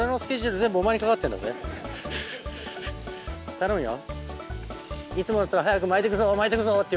頼むよ。